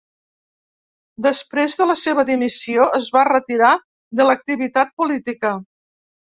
Després de la seva dimissió es va retirar de l'activitat política.